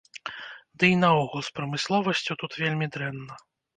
Ды і наогул з прамысловасцю тут вельмі дрэнна.